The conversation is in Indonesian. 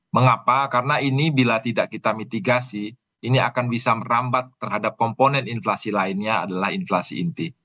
mengapa karena ini bila tidak kita mitigasi ini akan bisa merambat terhadap komponen inflasi lainnya adalah inflasi inti